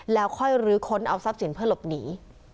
แล้วค่อยลื้อค้นเอาทรัพย์สินเพื่อหลบหนี